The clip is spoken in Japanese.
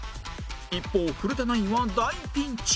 一方古田ナインは大ピンチ